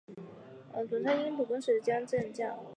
董昌因功补石镜镇将。